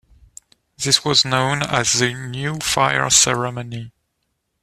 This was known as the New Fire Ceremony.